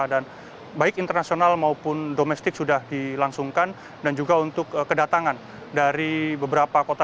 dan baik internasional maupun domestik sudah dilangsungkan dan juga untuk kedatangan dari beberapa kota